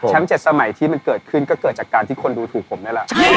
๗สมัยที่มันเกิดขึ้นก็เกิดจากการที่คนดูถูกผมนั่นแหละ